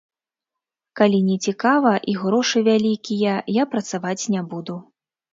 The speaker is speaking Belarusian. Калі нецікава і грошы вялікія, я працаваць не буду.